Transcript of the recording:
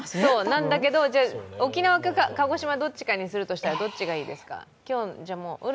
なんだけど、沖縄か鹿児島どちらかにするとすると、どっちがいいですか？